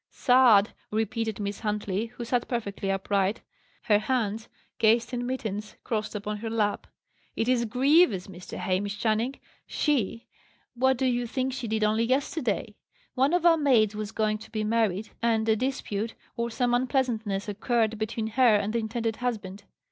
"Sad!" repeated Miss Huntley, who sat perfectly upright, her hands, cased in mittens, crossed upon her lap. "It is grievous, Mr. Hamish Channing! She what do you think she did only yesterday? One of our maids was going to be married, and a dispute, or some unpleasantness occurred between her and the intended husband.